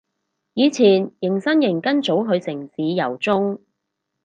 以前迎新營跟組去城市遊蹤